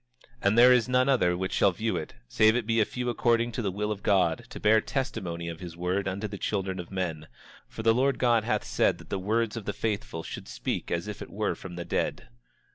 27:13 And there is none other which shall view it, save it be a few according to the will of God, to bear testimony of his word unto the children of men; for the Lord God hath said that the words of the faithful should speak as if it were from the dead.